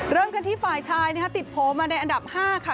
เริ่มกันที่ฝ่ายชายติดโผล่มาในอันดับ๕ค่ะ